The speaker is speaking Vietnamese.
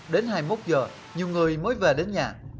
đến hai mươi một giờ nhiều người mới về đến nhà